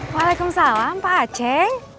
waalaikumsalam pak aceh